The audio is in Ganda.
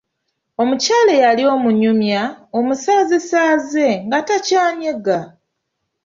Omukyala eyali omunyumya, omusaazesaaze, nga takyanyega.